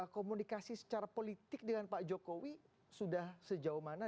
komunikasi secara politik dengan pak jokowi sudah sejauh mana